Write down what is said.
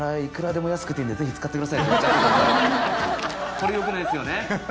これよくないですよね。